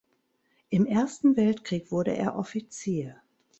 Im Ersten Weltkrieg wurde er Offizier.